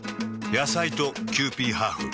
野菜とキユーピーハーフ。